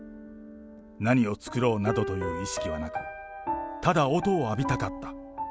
何を作ろうなどという意識はなく、ただ音を浴びたかった。